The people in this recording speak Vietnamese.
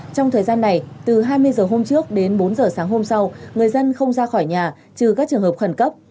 trong thời gian này từ hai mươi giờ hôm trước đến bốn h sáng hôm sau người dân không ra khỏi nhà trừ các trường hợp khẩn cấp